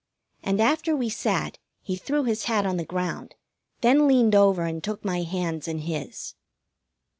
And after we sat he threw his hat on the ground, then leaned over and took my hands in his.